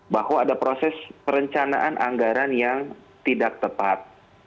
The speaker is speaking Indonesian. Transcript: bahwa ada proses perencanaan anggaran yang tidak tepat